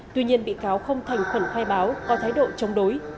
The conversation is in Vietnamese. tuy nhiên bị cáo không thành khẩn khai báo có thái độ chống đối